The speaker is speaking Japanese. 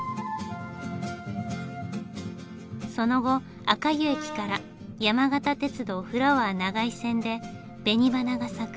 その後赤湯駅から山形鉄道フラワー長井線で紅花が咲く